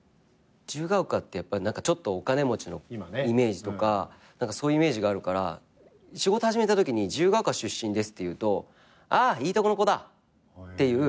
自由が丘ってやっぱりちょっとお金持ちのイメージとかそういうイメージがあるから仕事始めたときに「自由が丘出身です」って言うと「ああいいとこの子だ」っていう。